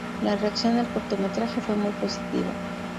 La reacción al cortometraje fue muy positiva.